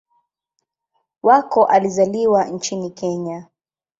Wako alizaliwa nchini Kenya.